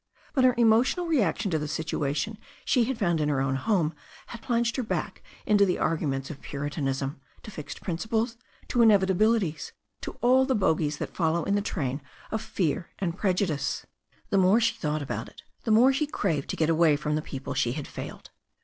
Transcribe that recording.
But her emotional reaction to the situation she had found in her own home had plunged her back into the arguments of Puritanism, to fixed principles, to inevitabilities, to alt the bogies that follow in the train of fear and prejudice. The more she thought about it the more she craved to get away from the people she had failed.